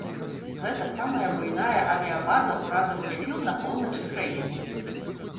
Гэта самая буйная авіябаза ўрадавых сіл на поўначы краіны.